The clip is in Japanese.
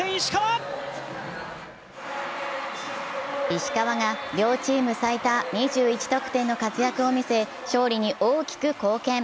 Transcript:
石川が両チーム最多２１得点の活躍を見せ勝利に大きく貢献。